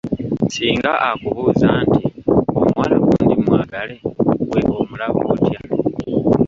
Singa akubuuza nti omuwala gundi mmwagale; ggwe omulaba otya?